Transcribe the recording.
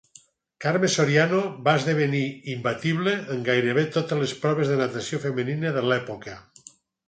Carme Soriano va esdevenir imbatible en gairebé totes les proves de natació femenina de l’època.